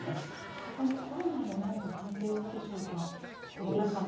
そこに何かコロナ禍も関係したでしょうか？